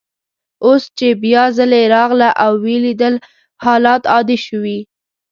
اوس چي بیا ځلې راغله او ویې لیدل، حالات عادي شوي.